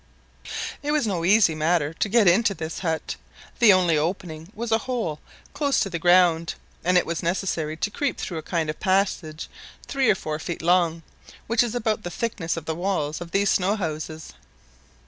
It was no easy matter to get into this hut. The only opening was a hole close to the ground, and it was necessary to creep through a kind of passage three or four feet long, which is about the thickness of the walls of these snow houses.